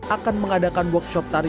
akan mengadakan workshop tari